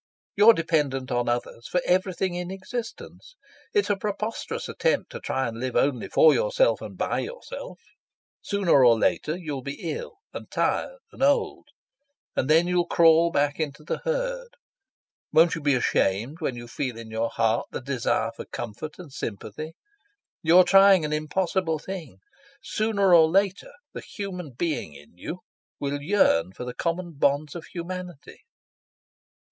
"You're dependent on others for everything in existence. It's a preposterous attempt to try to live only for yourself and by yourself. Sooner or later you'll be ill and tired and old, and then you'll crawl back into the herd. Won't you be ashamed when you feel in your heart the desire for comfort and sympathy? You're trying an impossible thing. Sooner or later the human being in you will yearn for the common bonds of humanity."